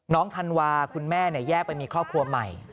ธันวาคุณแม่แยกไปมีครอบครัวใหม่